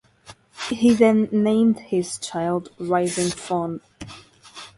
He then named his child Rising Fawn.